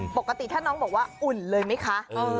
ปกติถ้าน้องบอกว่าอุ่นเลยไหมคะ